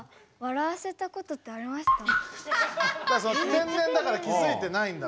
天然だから気づいてないんだろうね。